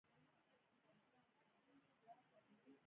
دا ودانۍ کوم جومات نه دی.